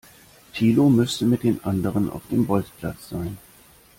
Thilo müsste mit den anderen auf dem Bolzplatz sein.